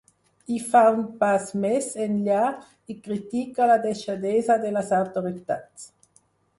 I fa un pas més enllà i critica la deixadesa de les autoritats.